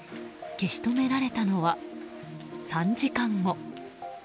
消し止められたのは３時間後。